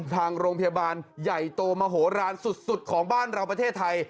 ทางโรงพยาบาลใหญ่โตมโหลานสุดของบ้านเราประเทศไทย